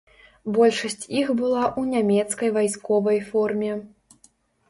Большасць іх была ў нямецкай вайсковай форме.